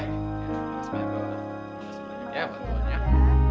terima kasih banyak dok